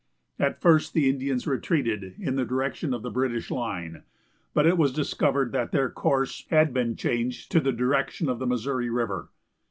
At first the Indians retreated in the direction of the British line, but it was discovered that their course had been changed to the direction of the Missouri river.